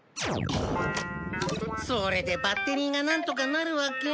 それでバッテリーがなんとかなるわけ？